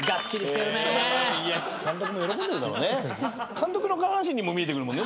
監督の下半身にも見えてくるもんね。